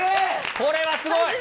これはすごい。